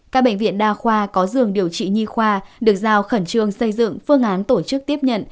các bệnh viện đa khoa có giường điều trị nhi khoa được giao khẩn trương xây dựng phương án tổ chức tiếp nhận